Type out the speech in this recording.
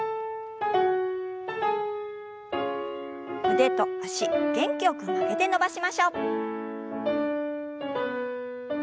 腕と脚元気よく曲げて伸ばしましょう。